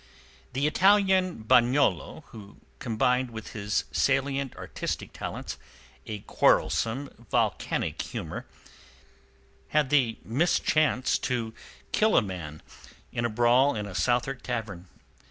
The Italian Bagnolo who combined with his salient artistic talents a quarrelsome, volcanic humour had the mischance to kill a man in a brawl in a Southwark tavern.